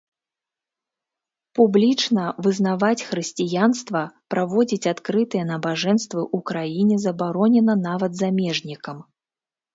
Публічна вызнаваць хрысціянства, праводзіць адкрытыя набажэнствы ў краіне забаронена нават замежнікам.